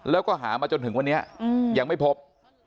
แล้วก็หามาจนถึงวันนี้ยังไม่พบ